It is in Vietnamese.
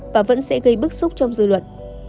và vẫn sẽ gây bức xúc trong dư luận